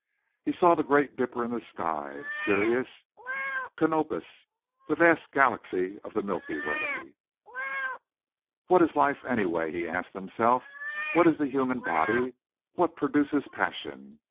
He saw the great dipper in the sky, Sirius, Canopus, the vast galaxy of the Milky Way. "What is life anyway?" he asked himself. "What is the human body? What produces passion?